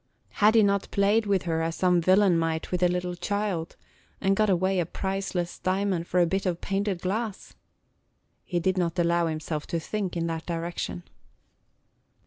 Had he not played with her as some villain might with a little child, and got away a priceless diamond for a bit of painted glass? He did not allow himself to think in that direction.